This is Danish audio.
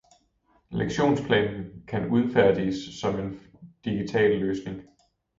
Lektionsplanen kan udfærdiges som en digital løsning